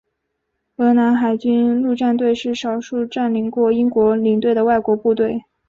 荷兰海军陆战队是少数占领过英国领土的外国部队。